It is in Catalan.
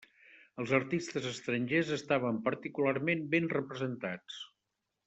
Els artistes estrangers estaven particularment ben representats.